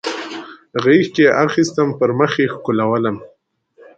غیږ کې اخیستم پر مخ یې ښکلولم